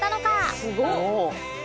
「すごっ！」